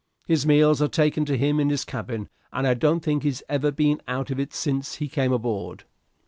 His meals are taken to him in his cabin, and I don't think he's ever been out of it since he came aboard."